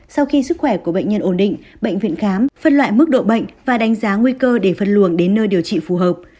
sau khi sức khỏe của bệnh nhân ổn định bệnh viện khám phân loại mức độ bệnh và đánh giá nguy cơ để phân luồng đến nơi điều trị phù hợp